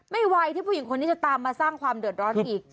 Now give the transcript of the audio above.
ไวที่ผู้หญิงคนนี้จะตามมาสร้างความเดือดร้อนอีก